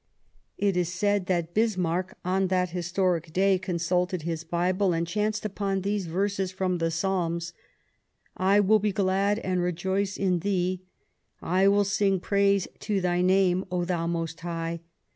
It is said that Bismarck, on that historic day, consulted his Bible, and chanced upon these verses from the Psalms : "I will be glad and rejoice in Thee, I will sing praise to Thy name, O thou most High.